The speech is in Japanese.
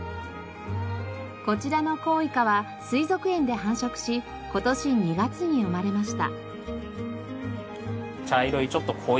こちらのコウイカは水族園で繁殖し今年２月に生まれました。